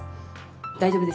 大丈夫ですよ。